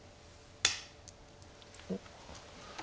おっ。